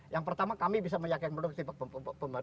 yang pertama kami bisa meyakinkan produktif